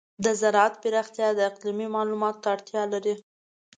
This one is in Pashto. د زراعت پراختیا د اقلیمي معلوماتو ته اړتیا لري.